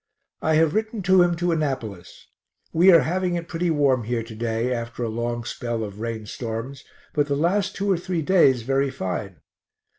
I have written to him to Annapolis. We are having it pretty warm here to day, after a long spell of rain storms, but the last two or three days very fine.